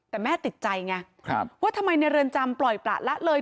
แต่แม่ติดใจไงว่าทำไมในเรือนจำปล่อยประละเลย